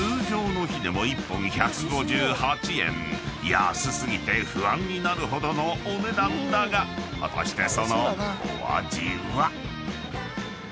［安過ぎて不安になるほどのお値段だが果たしてそのお味は？］